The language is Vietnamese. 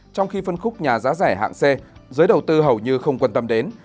trong khi phân khúc nhà giá rẻ hạng c giới đầu tư hầu như không quan tâm đến